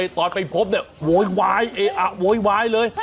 ตอนไปพบโว้ยวายโอ้ยวายเลย